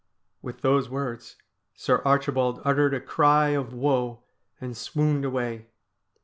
With those words Sir Archibald uttered a cry of woe, and swooned away.